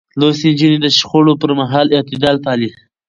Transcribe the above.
لوستې نجونې د شخړو پر مهال اعتدال پالي.